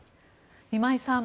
今井さん